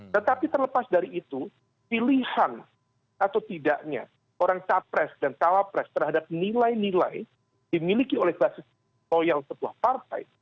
tetapi terlepas dari itu pilihan atau tidaknya orang capres dan cawapres terhadap nilai nilai dimiliki oleh basis loyal sebuah partai